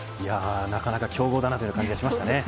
なかなか強豪だなという感じがします。